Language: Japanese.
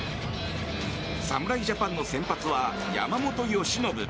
侍ジャパンの先発は山本由伸。